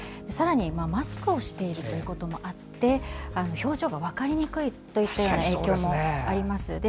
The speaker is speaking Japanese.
さらに、マスクをしているということもあって表情が分かりにくいという影響もあります。